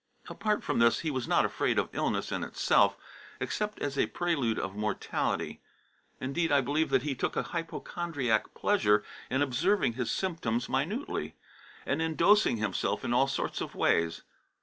Apart from this, he was not afraid of illness in itself, except as a prelude of mortality. Indeed I believe that he took a hypochondriac pleasure in observing his symptoms minutely, and in dosing himself in all sorts of ways.